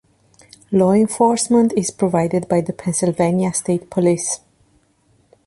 Law enforcement is provided by the Pennsylvania State Police.